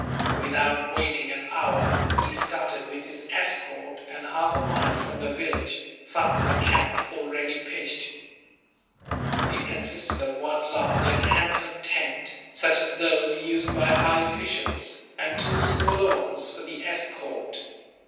Without waiting an hour he started with his escort and, half a mile from the village, found the camp already pitched. It consisted of one large and handsome tent, such as those used by high officials, and two smaller ones for the escort.